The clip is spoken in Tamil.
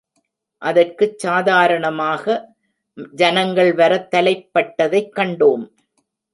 அதற்குச் சாதாரணமாக ஜனங்கள் வரத் தலைப்பட்டதைக் கண்டோம்.